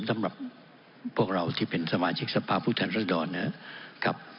สำหรับพวกเราที่เป็นสมาชิกสภาพผู้แทนรัศดรนะครับ